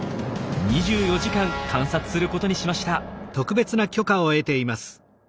２４時間観察することにしました。